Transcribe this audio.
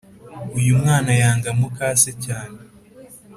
Uyumwana yanga mukase cyane